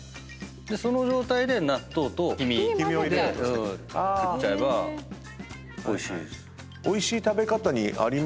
その状態で納豆と黄身で食っちゃえばおいしいです。